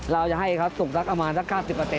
เราจะให้เขาสุกสักประมาณสัก๙๐